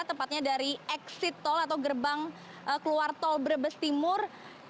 tepatnya dari exit tol atau gerbang keluar tol brebes timur